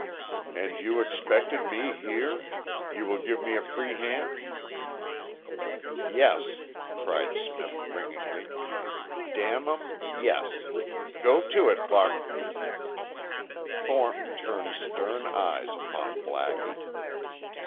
"And you expected me here? You will give me a free hand?" "Yes," cried Smith ringingly. "Damn 'em, yes. Go to it, Buck!" Thornton turned stern eyes upon Blackie.